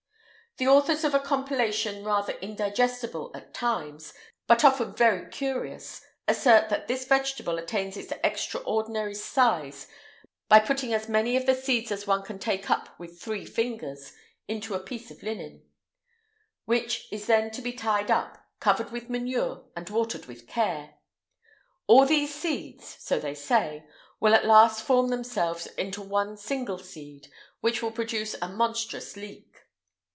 The authors of a compilation rather indigestible at times, but often very curious, assert that this vegetable attains an extraordinary size, by putting as many of the seeds as one can take up with three fingers into a piece of linen, which is then to be tied up, covered with manure, and watered with care. All these seeds so they say will at last form themselves into one single seed, which will produce a monstrous leek.